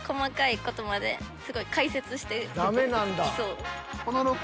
ダメなんだ。